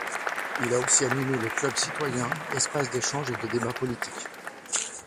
Il a aussi animé le Club citoyens, espace d'échange et de débats politiques.